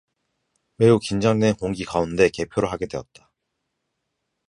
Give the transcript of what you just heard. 매우 긴장된 공기 가운데 개표를 하게 되었다.